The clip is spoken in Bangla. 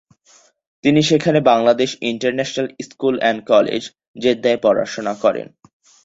তিনি সেখানে Bangladesh international school and college, জেদ্দায় পড়াশোনা করেন।